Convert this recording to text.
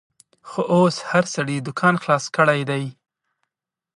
خو اوس هر سړي دوکان خلاص کړیدی